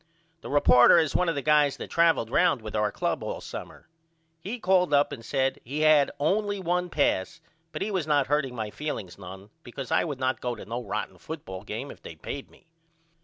The reporter is one of the guys that travled round with our club all summer. He called up and said he hadn't only the one pass but he was not hurting my feelings none because I would not go to no rotten football game if they payed me.